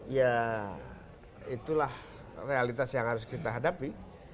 ya itulah realitas yang harus kita hadapi